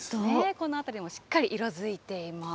この辺りもしっかり色づいています。